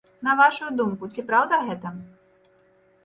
На вашую думку, ці праўда гэта?